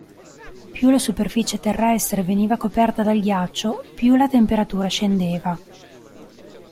Più la superficie terrestre veniva coperta dal ghiaccio, più la temperatura scendeva.